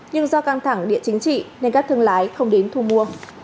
nhưng do căng thẳng địa chính trị nên các thương lái không đến thu mua